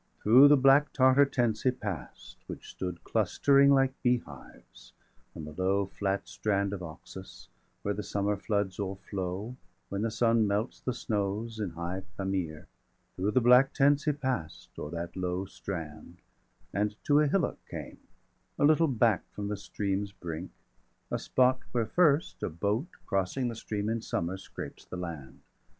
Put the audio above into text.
°11 Through the black Tartar tents he pass'd, which stood Clustering like bee hives on the low flat strand Of Oxus, where the summer floods o'erflow When the sun melts the snows in high Pamere° °15 Through the black tents he pass'd, o'er that low strand, And to a hillock came, a little back From the stream's brink the spot where first a boat, Crossing the stream in summer, scrapes the land.